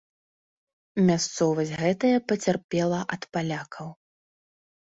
Мясцовасць гэтая пацярпела ад палякаў.